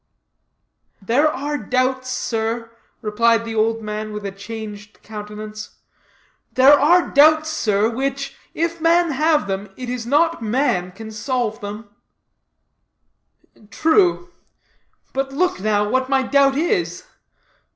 "There are doubts, sir," replied the old man, with a changed countenance, "there are doubts, sir, which, if man have them, it is not man that can solve them." "True; but look, now, what my doubt is.